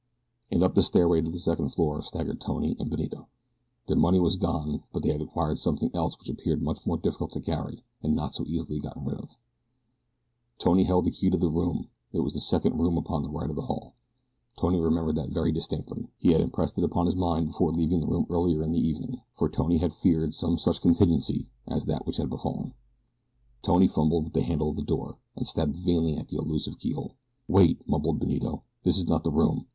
And up the stairway to the second floor staggered Tony and Benito. Their money was gone; but they had acquired something else which appeared much more difficult to carry and not so easily gotten rid of. Tony held the key to their room. It was the second room upon the right of the hall. Tony remembered that very distinctly. He had impressed it upon his mind before leaving the room earlier in the evening, for Tony had feared some such contingency as that which had befallen. Tony fumbled with the handle of a door, and stabbed vainly at an elusive keyhole. "Wait," mumbled Benito. "This is not the room.